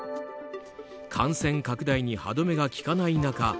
感染拡大に歯止めがきかない中